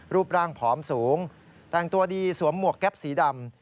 รูปร่างผอมสูงแต่งตัวดีสวมหมวกแก๊ปสีดำ